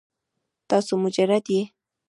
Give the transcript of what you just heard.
تاسو مجرد یې؟